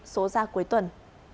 số ra cuối tuần